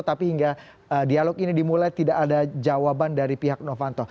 tapi hingga dialog ini dimulai tidak ada jawaban dari pihak novanto